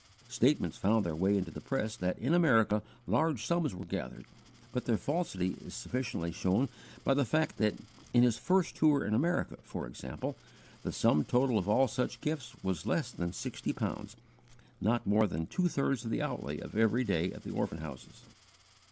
Statements found their way into the press that in America large sums were gathered, but their falsity is sufficiently shown by the fact that in his first tour in America, for example, the sum total of all such gifts was less than sixty pounds, not more than two thirds of the outlay of every day at the orphan houses.